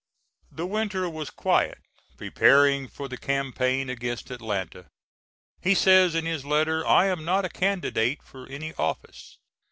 The winter was quiet, preparing for the campaign against Atlanta. He says in this letter, "I am not a candidate for any office."